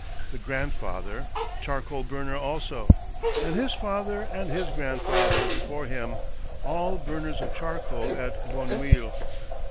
The grandfather — charcoal burner also ; and his father and his grandfather before him — all burners of charcoal, at Bonneuil.